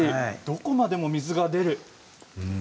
どこまでも水が出る。